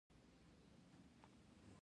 ای حجر اسوده ته زما په نزد یوازې یو کاڼی یې.